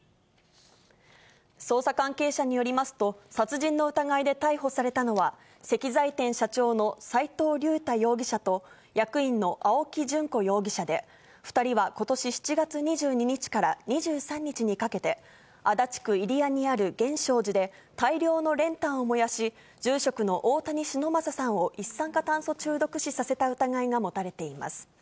捜査関係者によりますと、殺人の疑いで逮捕されたのは、石材店社長の斎藤竜太容疑者と役員の青木淳子容疑者で、２人はことし７月２２日から２３日にかけて、足立区入谷にある源証寺で、大量の練炭を燃やし、住職の大谷忍昌さんを一酸化炭素中毒死させた疑いが持たれています。